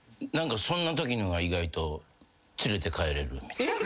そんなときの方が意外と連れて帰れる。